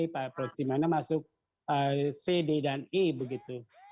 provinsi mana yang masuk c d dan e begitu